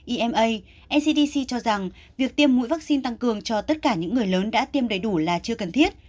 ima ncdc cho rằng việc tiêm mũi vaccine tăng cường cho tất cả những người lớn đã tiêm đầy đủ là chưa cần thiết